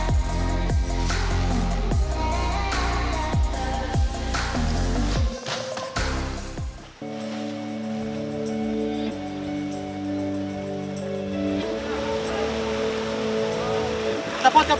dari surula kota tertinggalentohlah